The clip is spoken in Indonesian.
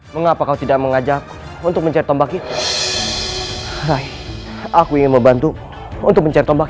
mengapa kau tidak mengajak untuk mencari tombak itu hai aku ingin membantu untuk mencari tombak